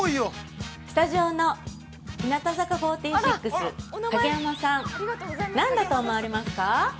スタジオの日向坂４６、影山さん何だと思われますか？